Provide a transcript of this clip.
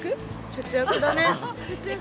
節約だね。